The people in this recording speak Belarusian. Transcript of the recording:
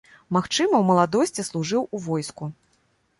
Магчыма, у маладосці служыў у войску.